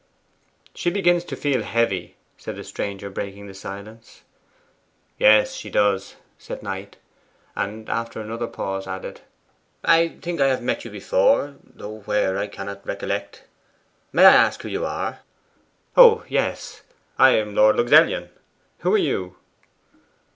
'She begins to feel heavy,' said the stranger, breaking the silence. 'Yes, she does,' said Knight; and after another pause added, 'I think I have met you before, though where I cannot recollect. May I ask who you are?' 'Oh yes. I am Lord Luxellian. Who are you?